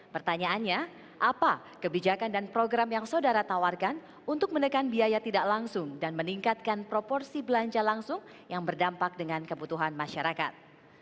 pertanyaannya apa kebijakan dan program yang saudara tawarkan untuk menekan biaya tidak langsung dan meningkatkan proporsi belanja langsung yang berdampak dengan kebutuhan masyarakat